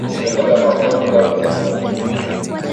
Vimelea vya magonjwa mengine